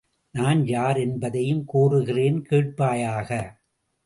நான் யார் என்பதையும் கூறுகிறேன் கேட்பாயாக!